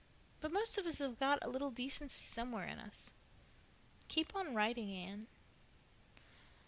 But most of us have got a little decency somewhere in us. Keep on writing, Anne."